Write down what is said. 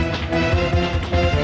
nek nak oh kau